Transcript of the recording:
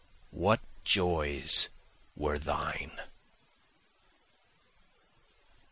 what joys were thine!